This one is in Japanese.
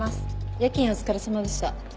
夜勤お疲れさまでした。